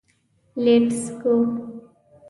لېټس ګو.